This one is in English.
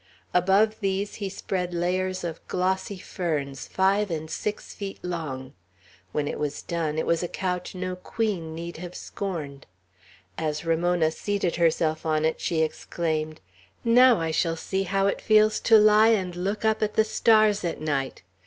Above these he spread layers of glossy ferns, five and six feet long; when it was done, it was a couch no queen need have scorned. As Ramona seated herself on it, she exclaimed: "Now I shall see how it feels to lie and look up at the stars at night!